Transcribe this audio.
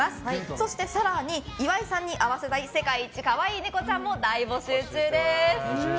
そして更に岩井さんに会わせたい世界一かわいいネコちゃんも大募集中です。